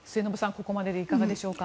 ここまででいかがでしょうか。